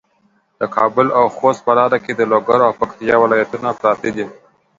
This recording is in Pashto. د کابل او خوست په لاره کې د لوګر او پکتیا ولایتونه پراته دي.